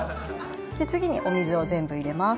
次にお水を全部入れます。